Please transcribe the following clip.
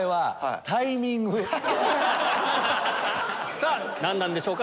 ⁉さぁ何なんでしょうか？